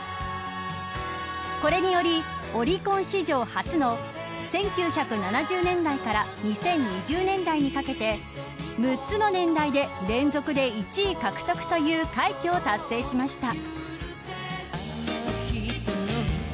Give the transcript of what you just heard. これにより、オリコン史上初の１９７０年代から２０２０年代にかけて６つの年代で連続で１位獲得という快挙を達成しました。